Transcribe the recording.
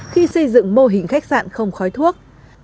khi xây dựng mô hình khách sạn không khói thuốc